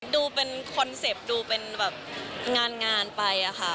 ดูเป็นคอนเซ็ปต์ดูเป็นแบบงานไปอะค่ะ